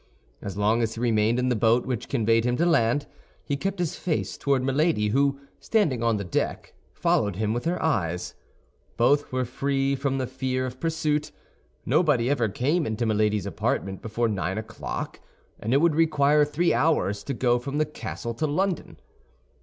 As long as he remained in the boat which conveyed him to land, he kept his face toward Milady, who, standing on the deck, followed him with her eyes. Both were free from the fear of pursuit; nobody ever came into Milady's apartment before nine o'clock, and it would require three hours to go from the castle to London.